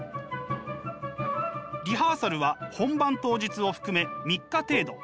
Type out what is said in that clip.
リハーサルは本番当日を含め３日程度。